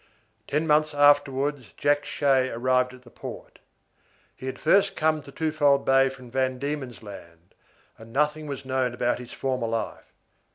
Ten months afterwards Jack Shay arrived at the port. He had first come to Twofold Bay from Van Diemen's Land, and nothing was known about his former life.